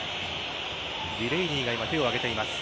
ディレイニーが手を上げています。